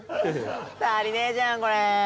足りねえじゃんこれ！